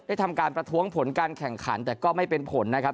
ทำการประท้วงผลการแข่งขันแต่ก็ไม่เป็นผลนะครับ